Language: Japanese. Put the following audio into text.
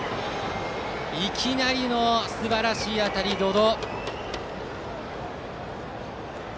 いきなりの、すばらしい当たり百々。